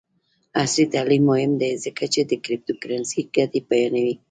عصري تعلیم مهم دی ځکه چې د کریپټو کرنسي ګټې بیانوي.